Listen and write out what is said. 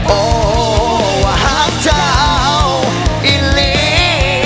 โอ้ววาฮักเจ้าอีหลี